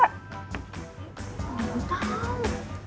gak mau tau